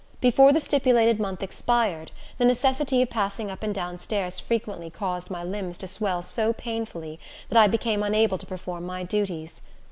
Before the stipulated month expired, the necessity of passing up and down stairs frequently, caused my limbs to swell so painfully, that I became unable to perform my duties.